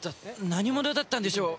何者だったんでしょう？